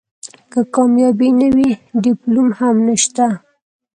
که کامیابي نه وي ډیپلوم هم نشته .